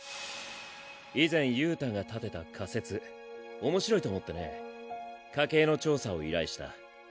以前憂太が立てた仮説面白いと思ってね家系の調査を依頼した。